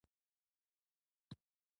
اقتصادي پرېکړې وخت غواړي.